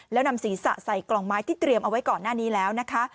แล้วนำศีรษะใส่กล่องไม้ที่เตรียมเอาไว้ก่อนหน้านี้แล้วนะคะ